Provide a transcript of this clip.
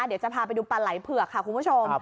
เดี๋ยวจะพาไปดูปลาไหล่เผือกค่ะคุณผู้ชม